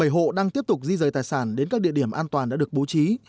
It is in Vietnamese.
bảy hộ đang tiếp tục di rời tài sản đến các địa điểm an toàn đã được bố trí